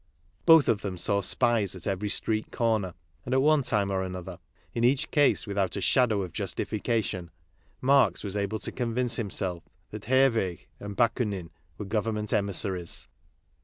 Both of them saw spies at every street corner, and at one time or another, in each case without a shadow of justification, Marx was able to convince himself that Herwegh and Bakunin were government emissaries.